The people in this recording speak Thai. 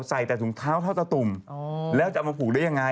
ใส่แต่ถุงเท้าเท่าตะตุ่มแล้วจะเอามาผูกได้ยังไง